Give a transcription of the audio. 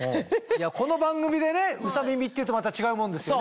この番組でうさみみっていうとまた違うもんですよね。